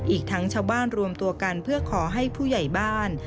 อีกทั้งชาวบ้านรวมตัวกันเพื่อขอให้ผู้ใหญ่บ้าน